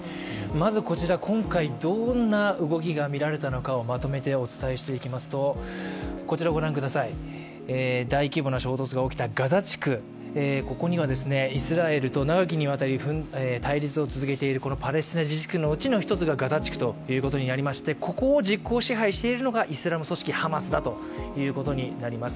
まずこちら、今回どんな動きが見られたのかをまとめてお伝えしますと大規模な衝突が起きたガザ地区、ここにはイスラエルと長きにわたり対立を続けているこのパレスチナ自治区の一つ、ガザ地区ということになってまして、ここを実効支配しているのがイスラム組織ハマスだいうことになります。